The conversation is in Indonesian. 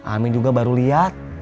amin juga baru lihat